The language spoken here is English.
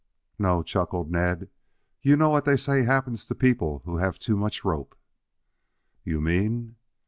"No," chuckled Ned. "You know what they say happens to people who have too much rope." "You mean?"